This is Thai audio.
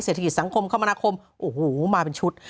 เศรษฐกิจสังคมนาคมโอ้โหมาเป็นชุด